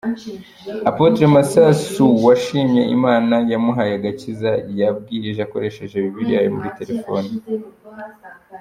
Apotre Masasu washimye Imana yamuhaye agakiza yabwirije akoresheje Bibiliya yo muri Terefone.